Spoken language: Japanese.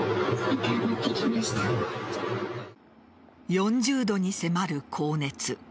４０度に迫る高熱。